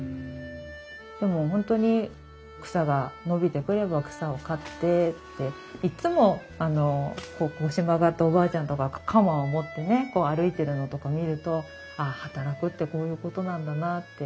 でも本当に草が伸びてくれば草を刈ってっていっつも腰曲がったおばあちゃんとかが鎌を持ってね歩いてるのとか見るとああ働くってこういうことなんだなって。